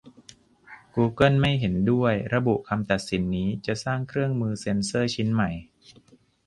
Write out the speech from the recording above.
กูเกิลไม่เห็นด้วย ระบุคำตัดสินนี้จะสร้างเครื่องมือเซ็นเซอร์ชิ้นใหม่